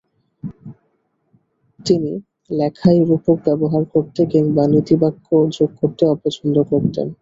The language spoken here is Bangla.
তিনি লেখায় রূপক ব্যবহার করতে কিংবা নীতিবাক্য যোগ করতে অপছন্দ করতেন।